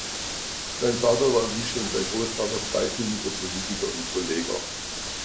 Sein Vater war wie schon sein Grossvater freisinniger Politiker und Verleger.